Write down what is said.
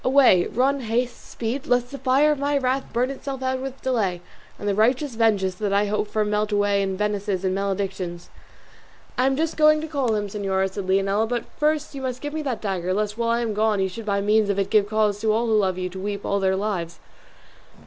Away, run, haste, speed! lest the fire of my wrath burn itself out with delay, and the righteous vengeance that I hope for melt away in menaces and maledictions." "I am just going to call him, señora," said Leonela; "but you must first give me that dagger, lest while I am gone you should by means of it give cause to all who love you to weep all their lives."